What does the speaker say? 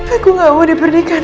aku gak mau di pernikahan